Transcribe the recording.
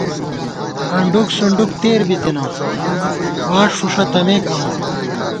انڈُک سُنڈُک تېر بِتنہ، واݭ فُݭہ تمېک امہ